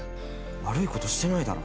悪いことしてないだろ。